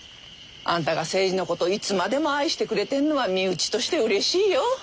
あんたが精二のこといつまでも愛してくれてるのは身内としてうれしいよ。